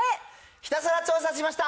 ひたすら調査しました！